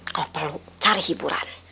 kalau perlu cari hiburan